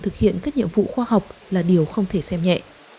thực hiện các nhiệm vụ khoa học là điều không thể xem nhẹ